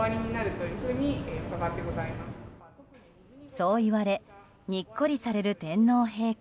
そう言われニッコリされる天皇陛下。